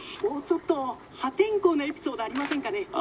「もうちょっと破天荒なエピソードありませんかね？」。